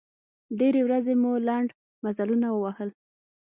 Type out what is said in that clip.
ډېرې ورځې مو لنډ مزلونه ووهل.